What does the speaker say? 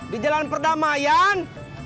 di jalan perdamaian